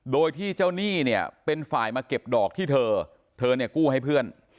โดยที่เจ้าหนี้เนี่ยเป็นฝ่ายมาเก็บดอกที่เธอเธอเนี่ยกู้ให้เพื่อน